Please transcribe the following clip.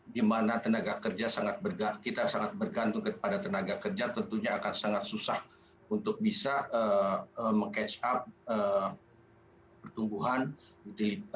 dimana tenaga kerja sangat bergantung kepada tenaga kerja tentunya akan sangat susah untuk bisa meng catch up